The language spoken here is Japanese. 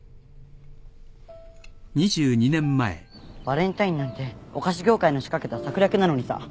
バレンタインなんてお菓子業界の仕掛けた策略なのにさ